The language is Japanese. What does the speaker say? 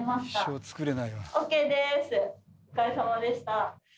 お疲れさまでした。